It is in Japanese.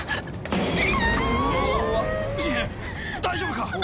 大丈夫か？